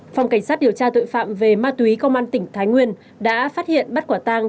phòng cảnh sát điều tra tội phạm về ma túy công an tỉnh thái nguyên đã phát hiện bắt quả tang